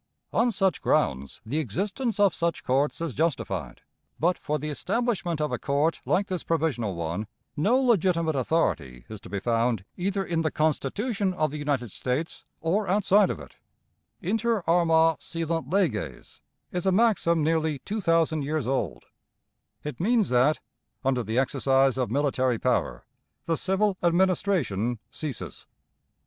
On such grounds the existence of such courts is justified; but, for the establishment of a court like this provisional one, no legitimate authority is to be found either in the Constitution of the United States or outside of it, "Inter arma silent leges" is a maxim nearly two thousand years old; it means that, under the exercise of military power, the civil administration ceases.